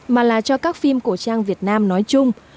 mà là cho các phim cổ trang việt nam nói chung